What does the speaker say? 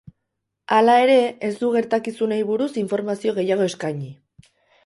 Hala ere, ez du gertakizunei buruz informazio gehiago eskaini.